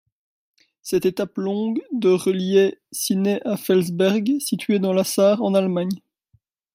Cette étape longue de reliait Ciney à Felsberg située dans la Sarre en Allemagne.